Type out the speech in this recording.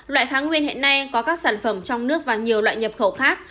loại kháng nguyên hiện nay có các sản phẩm trong nước và nhiều loại nhập khẩu khác